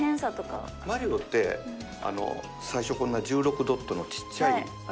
マリオってあの最初こんな１６ドットのちっちゃい絵で。